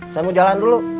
saya mau jalan dulu